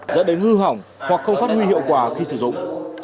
dẫn đến hư hỏng hoặc không phát huy hiệu quả khi sử dụng